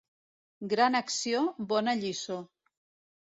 Gran acció, bona lliçó.